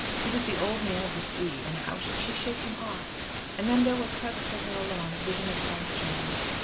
He was the Old Man of the Sea, and how should she shake him off? And then there was present to her alone a vision of Frank Jones.